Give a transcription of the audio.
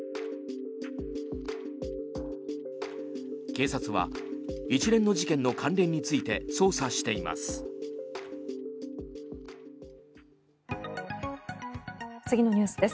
警察は一連の事件の関連について捜査しています。